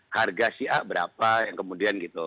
harga si a berapa yang kemudian gitu